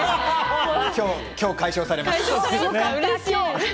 今日解消されます。